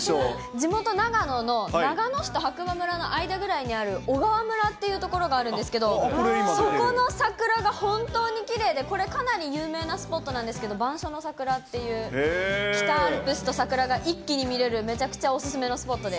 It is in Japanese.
地元、長野の長野市と白馬村の間ぐらいにある小川村っていう所があるんですけど、そこの桜が本当にきれいで、これ、かなり有名なスポットなんですけれども、番所の桜っていう、北アルプスと桜が一気に見れる、めちゃくちゃお勧めのスポットです。